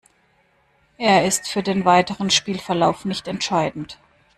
Er ist für den weiteren Spielverlauf nicht entscheidend.